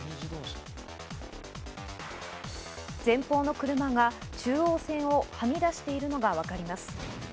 前方の車が中央線をはみ出しているのがわかります。